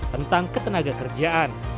tentang ketenaga kerjaan